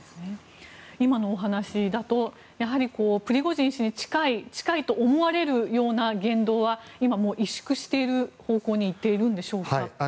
今のお話だとプリゴジン氏に近いと思われるような言動は委縮している方向に行っているんでしょうか？